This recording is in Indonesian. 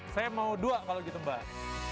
saya mau dua kalau gitu mbak